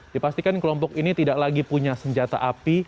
dipastikan kelompok ini tidak lagi punya senjata api